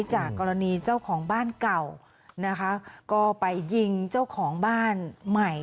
จากกรณีเจ้าของห้าม